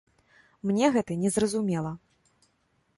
Мне гэта не зразумела.